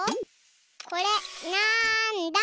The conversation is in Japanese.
これなんだ？